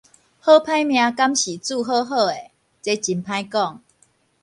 好歹命敢是註好好的？這真歹講